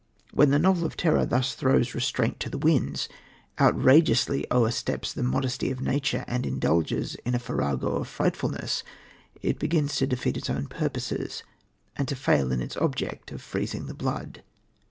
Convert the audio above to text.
When the novel of terror thus throws restraint to the winds, outrageously o'ersteps the modesty of nature and indulges in a farrago of frightfulness, it begins to defeat its own purposes and to fail in its object of freezing the blood.